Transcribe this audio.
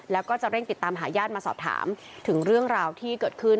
แล้วก็จะเร่งติดตามหาญาติมาสอบถามถึงเรื่องราวที่เกิดขึ้น